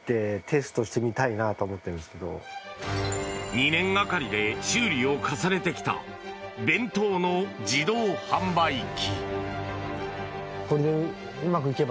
２年がかりで修理を重ねてきた弁当の自動販売機。